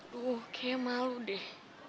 duh kayaknya malu deh